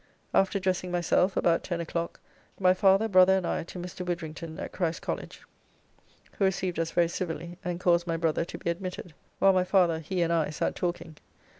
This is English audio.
After dressing myself, about ten o'clock, my father, brother, and I to Mr. Widdririgton, at Christ's College, who received us very civilly, and caused my brother to be admitted, while my father, he, and I, sat talking.